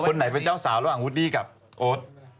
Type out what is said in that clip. ไหนเป็นเจ้าสาวระหว่างวูดดี้กับโอ๊ต